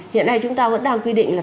hiện nay chúng ta vẫn đang quy định là